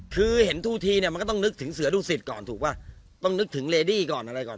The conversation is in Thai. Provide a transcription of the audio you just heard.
คือเห็นทูทีเนี่ยมันก็ต้องนึกถึงเสือดุสิตก่อนถูกป่ะต้องนึกถึงเลดี้ก่อนอะไรก่อน